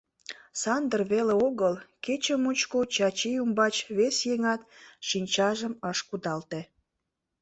Сандыр веле огыл, кече мучко Чачи ӱмбач вес еҥат шинчажым ыш кудалте.